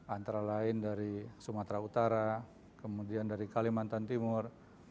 antara lain dari sumatera utara kemudian dari kalimantan timur